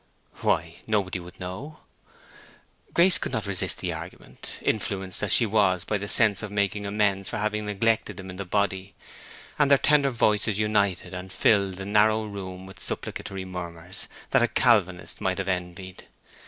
"Why? Nobody would know." Grace could not resist the argument, influenced as she was by the sense of making amends for having neglected him in the body; and their tender voices united and filled the narrow room with supplicatory murmurs that a Calvinist might have envied.